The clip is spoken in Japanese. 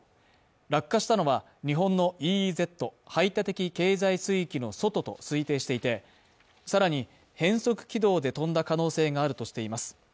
落下したのは、日本のＥＥＺ＝排他的経済水域の外と推定していて、更に変則軌道で飛んだ可能性があるとしています。